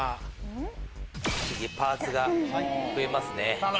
次パーツが増えますね。